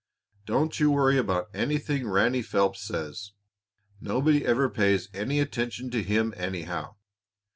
"Don't you worry about anything Ranny Phelps says. Nobody ever pays any attention to him, anyhow.